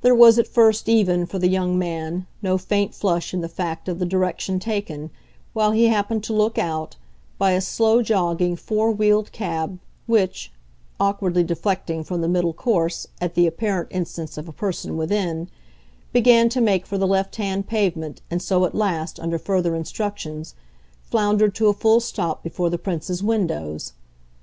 There was at first even, for the young man, no faint flush in the fact of the direction taken, while he happened to look out, by a slow jogging four wheeled cab which, awkwardly deflecting from the middle course, at the apparent instance of a person within, began to make for the left hand pavement and so at last, under further instructions, floundered to a full stop before the Prince's windows.